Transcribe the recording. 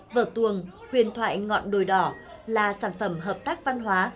vở tuồng huyền thoại ngọn đồi đỏ là sản phẩm hợp tác văn hóa